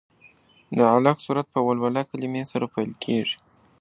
د علق سورت په ولوله کلمې سره پیل کېږي.